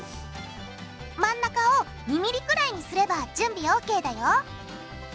真ん中を２ｍｍくらいにすれば準備ＯＫだよ。